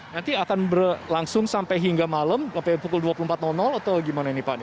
nanti akan berlangsung sampai hingga malam sampai pukul dua puluh empat atau gimana ini pak